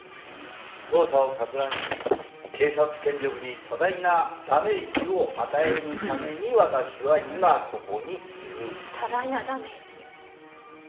「捜査を攪乱し警察権力に多大なダメージを与えるために私は今ここにいる」「多大なダメージ？」